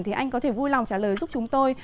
thì anh có thể vui lòng trả lời giúp chúng tôi